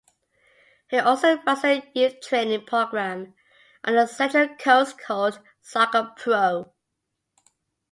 He also runs a youth training program on the Central Coast called Soccerpro.